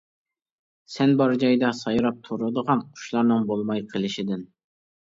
سەن بار جايدا سايراپ تۇرىدىغان قۇشلارنىڭ بولماي قېلىشىدىن.